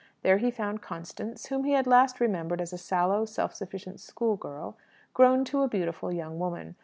There he found Constance, whom he last remembered as a sallow, self sufficient schoolgirl, grown to a beautiful young woman.